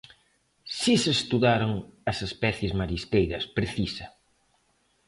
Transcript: "Si se estudaron as especies marisqueiras", precisa.